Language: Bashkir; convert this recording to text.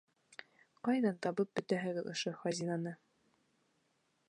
Ҡайҙан табып бөтәһегеҙ ошо хазинаны?